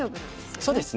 そうですね。